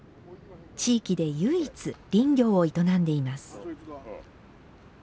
地域で唯一、林業を営んでいます。